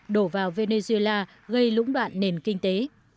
đổ vào venezuela gây lũng đoạn nền kinh tế